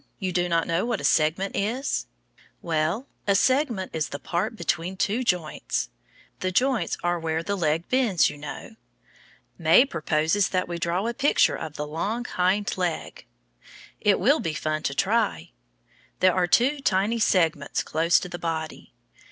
You do not know what a segment is? Well, a segment is the part between two joints. The joints are where the leg bends, you know. May proposes that we draw a picture of the long hind leg. It will be fun to try. There are two tiny segments close to the body.